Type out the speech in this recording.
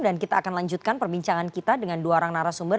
kita akan lanjutkan perbincangan kita dengan dua orang narasumber